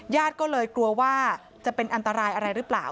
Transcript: ญาติก็เลยกลัวว่าจะเป็นอันตรายอะไรหรือเปล่า